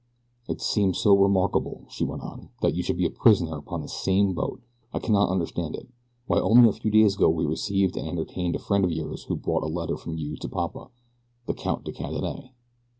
"It seems so remarkable," she went on, "that you should be a prisoner upon the same boat. I cannot understand it. Why only a few days ago we received and entertained a friend of yours who brought a letter from you to papa the Count de Cadenet."